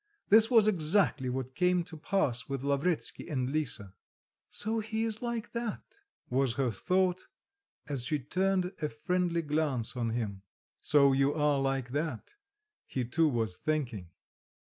This was exactly what came to pass with Lavretsky and Lisa. "So he is like that," was her thought, as she turned a friendly glance on him; "so you are like that," he too was thinking.